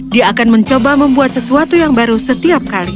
dia akan mencoba membuat sesuatu yang baru setiap kali